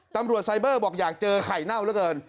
ไซเบอร์บอกอยากเจอไข่เน่าเหลือเกิน